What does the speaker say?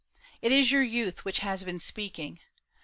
It is your youth Which has been speaking.